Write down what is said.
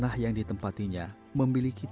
tanah yang ditempatinya memiliki